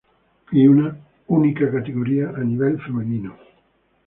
Y una única categoría a nivel femenino.